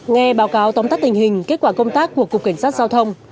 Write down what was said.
nghe báo cáo tóm tắt tình hình kết quả công tác của cục cảnh sát giao thông